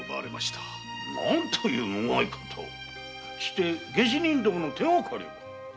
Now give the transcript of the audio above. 何というムゴいことをして下手人どもの手がかりは？